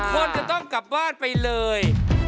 คนจะต้องกลับบ้านไปเลย